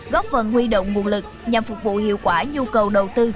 góp phần huy động nguồn lực nhằm phục vụ hiệu quả nhu cầu đầu tư